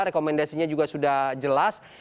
rekomendasinya juga sudah jelas